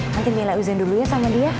nanti mila izin dulunya sama dia